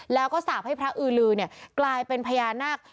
แล้วก็สาปให้พระอือลือกลายเป็นพญานาค